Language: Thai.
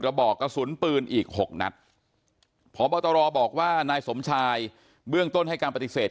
บอกกระสุนปืนอีก๖นัดพบตรบอกว่านายสมชายเบื้องต้นให้การปฏิเสธ